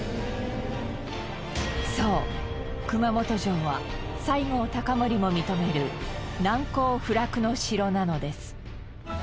そう熊本城は西郷隆盛も認める難攻不落の城なのです。